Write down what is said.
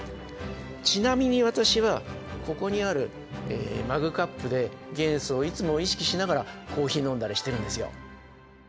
ちなみに私はここにあるマグカップで元素をいつも意識しながらコーヒー飲んだりしてるんですよ。